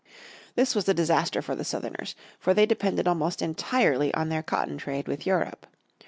This was a disaster for the Southerners, for they depended almost entirely on their cotton trade with Europe.